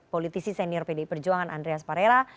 politisi senior pdi perjuangan andreas parela